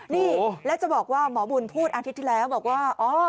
นี่แล้วจะบอกว่าหมอบุญพูดอาทิตย์ที่แล้วบอกว่า